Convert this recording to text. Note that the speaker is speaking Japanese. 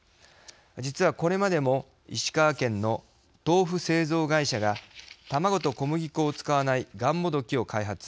実は、これまでも石川県の豆腐製造会社が卵と小麦粉を使わないがんもどきを開発。